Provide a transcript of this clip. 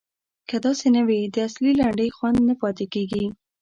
که داسې نه وي د اصیلې لنډۍ خوند نه پاتې کیږي.